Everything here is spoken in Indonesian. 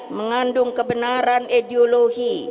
mengandung kebenaran ideologi